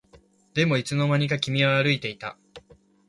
でもいつの間にか君は歩いていた